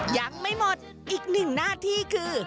ยังไม่หมดอีกหนึ่งหน้าที่คือ